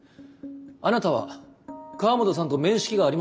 あなたは河本さんと面識がありましたか？